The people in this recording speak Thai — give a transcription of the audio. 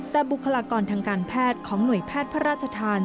แต่บุคลากรทางการแพทย์ของหน่วยแพทย์พระราชทาน